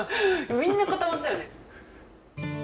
みんな固まったよね。